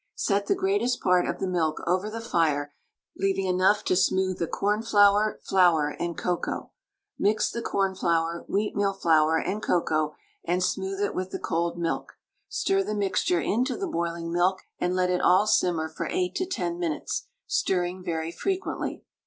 Set the greatest part of the milk over the fire, leaving enough to smooth the cornflour, flour, and cocoa. Mix the cornflour, wheatmeal flour, and cocoa, and smooth it with the cold milk. Stir the mixture into the boiling milk, and let it all simmer for 8 to 10 minutes, stirring very frequently.